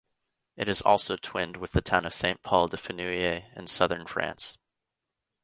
It is also twinned with the town of Saint-Paul-de-Fenouillet in southern France.